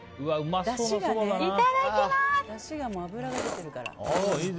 いただきます！